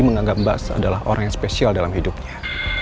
menganggap bas adalah orang yang spesial dalam hidupnya